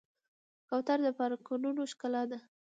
کوتره د پارکونو ښکلا ده.